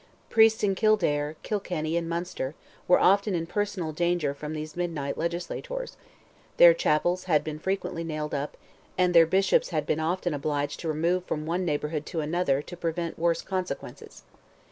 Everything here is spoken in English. Priests in Kildare, Kilkenny, and Munster, were often in personal danger from these midnight legislators; their chapels had been frequently nailed up, and their bishops had been often obliged to remove them from one neighbourhood to another to prevent worse consequences.